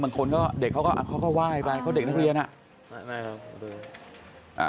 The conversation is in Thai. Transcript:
บางคนก็เด็กเขาก็เขาก็ไหว้ไปเขาเด็กนักเรียนอ่ะ